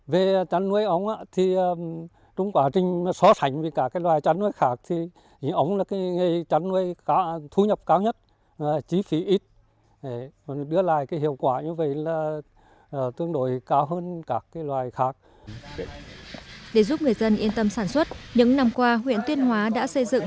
để giúp người dân yên tâm sản xuất những năm qua huyện tuyên hóa đã xây dựng